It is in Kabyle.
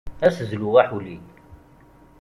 Ad as-zluɣ aḥuli.